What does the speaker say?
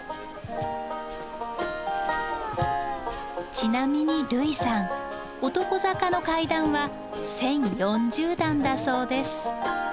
ちなみに類さん男坂の階段は１，０４０段だそうです。